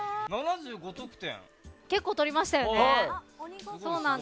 結構取りましたよね。